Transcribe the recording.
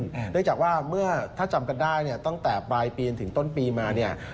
เนื่องจากว่าถ้าจำกันได้ตั้งแต่ปลายปีและต้นปีมา